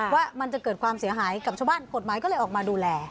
ว่ามันจะเกิดความเสียหายกับชาวบ้านกฎหมายก็เลยออกมาดูแล